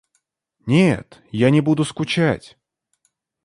Нет, я не буду скучать.